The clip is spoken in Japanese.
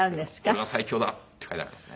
「オレは最強だ！」って書いてありますね。